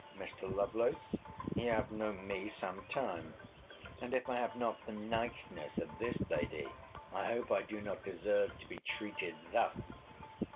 Mr. Lovelace, you have known me some time; and, if I have not the niceness of this lady, I hope I do not deserve to be treated thus!